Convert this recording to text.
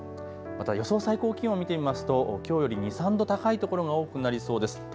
また予想最高気温を見てみますときょうより２、３度高いところが多くなりそうです。